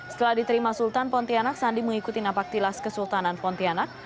setelah diterima sultan pontianak sandi mengikuti napaktilas kesultanan pontianak